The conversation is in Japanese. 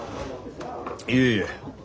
いえいえ。